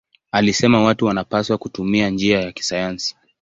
Alisema watu wanapaswa kutumia njia ya kisayansi.